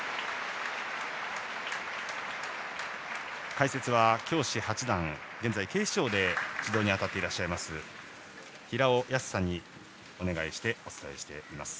解説は教士八段現在、警視庁で指導に当たっていらっしゃいます平尾泰さんにお願いしてお伝えしています。